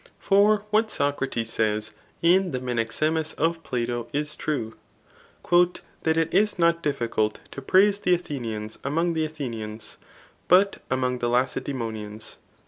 For what Socrates says in the Menexemus of Plato, is true, '^ That it is not difficult to praise the Athenians among the Athenians, but among the Lacedaemomans."